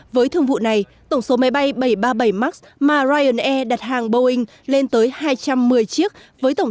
với thương vụ này tổng số máy bay bảy trăm ba mươi bảy max mà ryanair đặt hàng boeing lên tới hai trăm một mươi chiếc với tổng